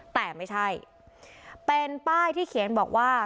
แต่ไม่ใช่เป็นป้ายที่เขียนบอกว่า